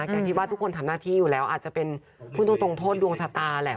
แกคิดว่าทุกคนทำหน้าที่อยู่แล้วอาจจะเป็นพูดตรงโทษดวงชะตาแหละ